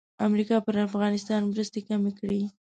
امریکا پر افغانستان مرستې کمې کړې.